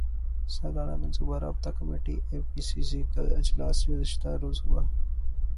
سالانہ منصوبہ رابطہ کمیٹی اے پی سی سی کا اجلاس گزشتہ روز ہوا